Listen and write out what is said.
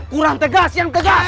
kurang tegas yang tegas